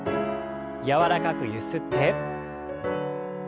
柔らかくゆすって。